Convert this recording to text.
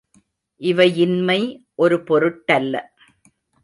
இவையின்மை ஒரு பொருட்டல்ல.